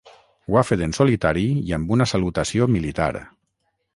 Ho ha fet en solitari i amb una salutació militar.